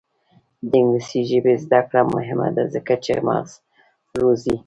د انګلیسي ژبې زده کړه مهمه ده ځکه چې مغز روزي.